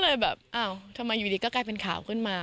ก็เลยแบบอ้าวทำไมอยู่ดีก็กลายเป็นข่าวขึ้นมา